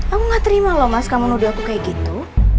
aku gak terima loh mas kamu menuduh aku kayak gitu